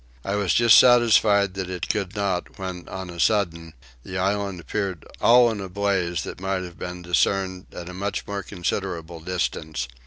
I was just satisfied that it could not when on a sudden the island appeared all in a blaze that might have been discerned at a much more considerable distance.